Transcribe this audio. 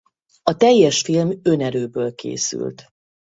A teljes film önerőből készült.